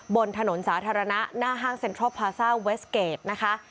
บนถนนสาธารณะหน้าห้างเซ็นทรัลพาซ่าเวสเกจนะคะ